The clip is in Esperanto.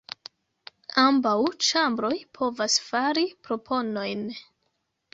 Ambaŭ ĉambroj povas fari proponojn.